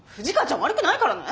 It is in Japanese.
悪くないからね。